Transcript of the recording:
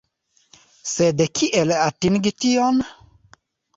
Sed kiel atingi tion?